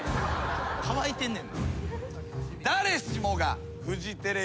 乾いてんねんな。